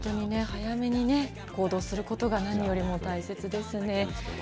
早めにね、行動することが何よりも大切ですね。